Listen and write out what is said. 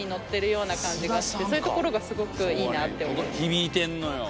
響いてんのよ。